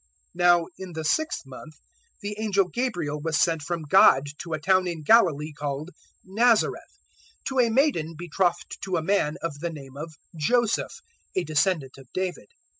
001:026 Now in the sixth month the angel Gabriel was sent from God to a town in Galilee called Nazareth, 001:027 to a maiden betrothed to a man of the name of Joseph, a descendant of David.